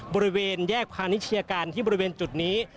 บริเวณแยกพาณิชยาการที่บริเวณจุดนี้